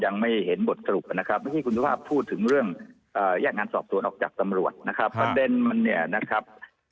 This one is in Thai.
ยังไม่เห็นบทสรุปนะครับ